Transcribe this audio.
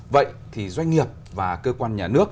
vậy thì doanh nghiệp và cơ quan nhà nước